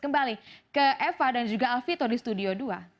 kembali ke eva dan juga alfito di studio dua